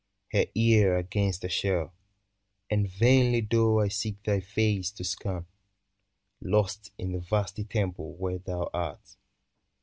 Her ear against a shell : And vainly though I seek thy face to scan, Lost in the vasty temple where thou art.